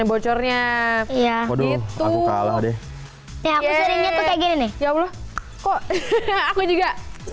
bocornya ya gitu kalau deh ya gini ya allah kok aku juga